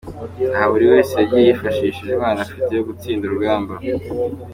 Aha buri wese yagiye yifashisha intwaro afite yo gutsinda urugamba.